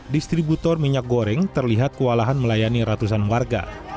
distributor minyak goreng terlihat kewalahan melayani ratusan warga